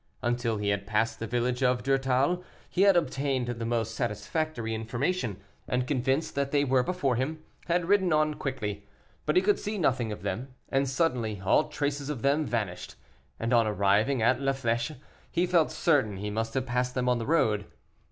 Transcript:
Until he had passed the village of Durtal, he had obtained the most satisfactory information, and, convinced that they were before him, had ridden on quickly. But he could see nothing of them, and suddenly all traces of them vanished, and on arriving at La Flèche he felt certain he must have passed them on the road.